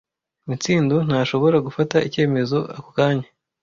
Mitsindo ntashobora gufata icyemezo ako kanya.